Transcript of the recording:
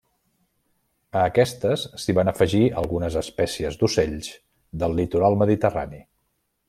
A aquestes s'hi van afegir algunes espècies d'ocells del litoral mediterrani.